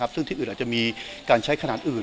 ซึ่งที่อื่นอาจจะมีการใช้ขนาดอื่น